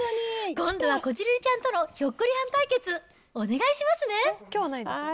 今度はこじるりちゃんとのひょっこりはん対決、お願いしますね。